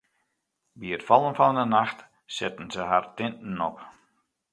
By it fallen fan 'e nacht setten se har tinten op.